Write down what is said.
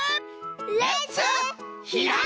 レッツひらめき！